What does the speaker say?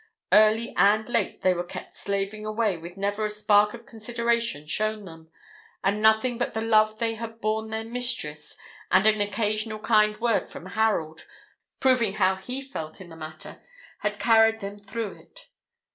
Early and late they were kept slaving away, with never a spark of consideration shown them, and nothing but the love they had borne their mistress and an occasional kind word from Harold, proving how he felt in the matter, had carried them through it.